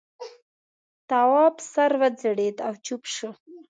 تواب سر وځړېد او چوپ شو.